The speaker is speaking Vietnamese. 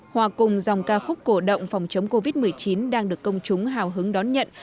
hòa cùng dòng ca khúc cổ động phòng chống covid một mươi chín đang được công chúng hào hứng đón nhận